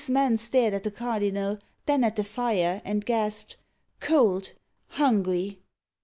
(1643 1715) 327 man stared at the cardinal, then at the fire, and gasped, Cold ! hungry